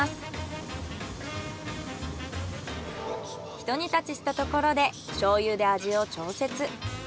ひと煮立ちしたところで醤油で味を調節。